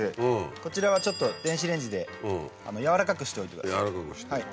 こちらはちょっと電子レンジで軟らかくしておいてください。